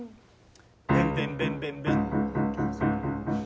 ベンベンベンベンベン。